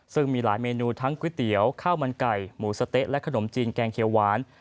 ซึ่งมีหลายเมนูทั้งก๋วยเตี๋ยวข้าวมันไก่หมูสะเต๊ะและขนมจีนแกงเขียวหวาน